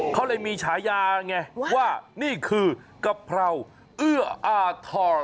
เขาเลยมีฉายาไงว่านี่คือกะเพราเอื้ออาทร